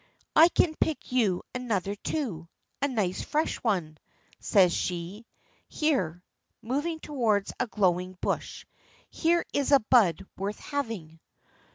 "I can pick you another too, a nice fresh one," says she. "Here," moving towards a glowing bush; "here is a bud worth having."